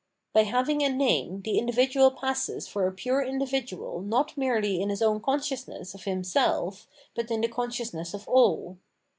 By having a name the individual passes for a pure individual not merely in his own consciousness of him self, but in the consciousness of all.